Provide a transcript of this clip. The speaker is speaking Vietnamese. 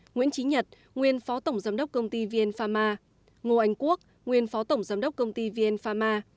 nguyễn trí nhật nguyên phó tổng giám đốc công ty vn pharma ngô anh quốc nguyên phó tổng giám đốc công ty vn pharma